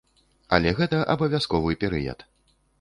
Але гэта абавязковы перыяд.